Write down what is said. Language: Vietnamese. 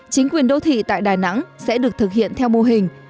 chính quyền đô thị tại đà nẵng sẽ được thực hiện theo mô hình